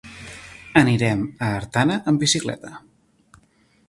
Anirem a Artana amb bicicleta.